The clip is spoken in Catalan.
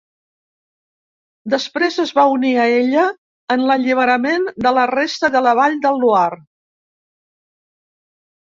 Després es va unir a ella en l'alliberament de la resta de la vall del Loira.